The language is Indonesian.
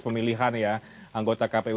pemilihan ya anggota kpu